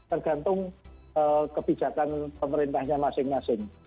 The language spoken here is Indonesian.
tergantung kebijakan pemerintahnya masing masing